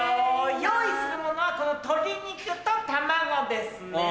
用意するものはこの鶏肉と卵ですね。